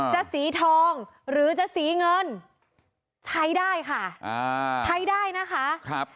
สีทองหรือจะสีเงินใช้ได้ค่ะใช้ได้นะคะ